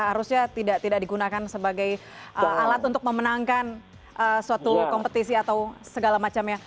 harusnya tidak digunakan sebagai alat untuk memenangkan suatu kompetisi atau segala macam ya